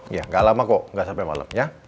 iya ga lama kok ga sampe malem ya